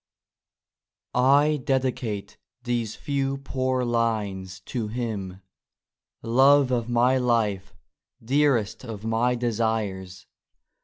T DEDICATE these few poor lines to Him,— ^ Love of my Life 1 Dearest of my desires